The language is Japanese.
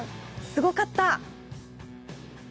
すごかった。